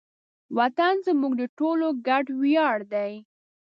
وطن زموږ د ټولو ګډ ویاړ دی.